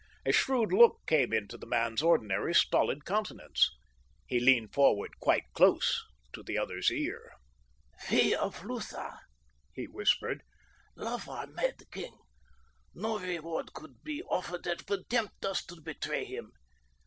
A shrewd look came into the man's ordinarily stolid countenance. He leaned forward quite close to the other's ear. "We of Lutha," he whispered, "love our 'mad king'—no reward could be offered that would tempt us to betray him.